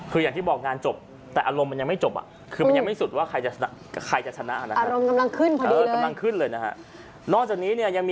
คืออย่างที่บอกงานจบแต่อารมณ์มันยังไม่จบอ่ะ